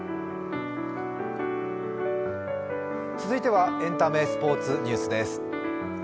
続いてはエンタメスポーツニュースです。